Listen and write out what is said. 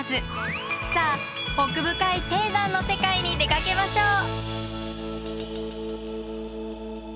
さあ奥深い低山の世界に出かけましょう！